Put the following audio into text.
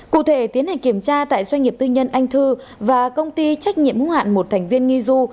cụ thể tiến hành kiểm tra tại doanh nghiệp tư nhân anh thư và công ty trách nhiệm hữu hạn một thành viên nghi du